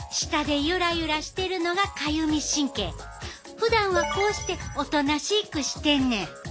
ふだんはこうしておとなしくしてんねん。